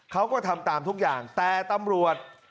เขาก็ทำตามทุกอย่างแต่ตำรวจ